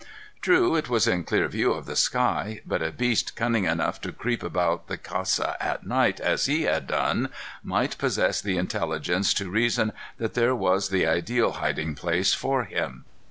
True, it was in clear view of the sky, but a beast cunning enough to creep about the casa at midnight as he had done, might possess the intelligence to reason that there was the ideal hiding place for him.